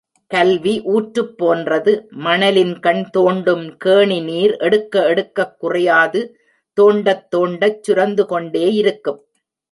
கல்வி ஊற்றுப் போன்றது மணலின்கண் தோண்டும் கேணிநீர் எடுக்க எடுக்கக் குறையாது தோண்டத் தோண்டச் சுரந்துகொண்டே இருக்கும்.